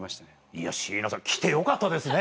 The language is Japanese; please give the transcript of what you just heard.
いや椎名さん来てよかったですね。